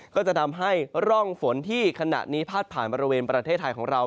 ก็จะทำให้ร่องฝนที่ขณะนี้พาดผ่านบริเวณประเทศไทยของเรา